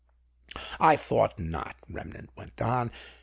"I thought not," Remnant went on.